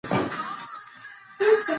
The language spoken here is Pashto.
هغې خپله پرېکړه بدله کړې ده.